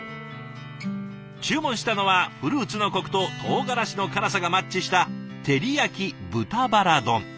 注文したのはフルーツのコクととうがらしの辛さがマッチした照り焼き豚バラ丼。